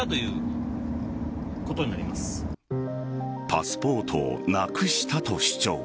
パスポートをなくしたと主張。